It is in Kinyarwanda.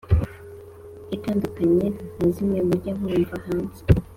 itandukanye nazimwe mujya mwumva hanze